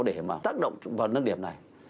để mà tác động vào nâng điểm này